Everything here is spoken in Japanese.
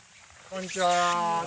こんにちは。